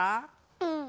うん。